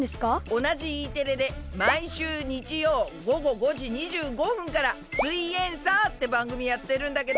おなじＥテレで毎週日曜午後５時２５分から「すイエんサー」ってばんぐみやってるんだけど。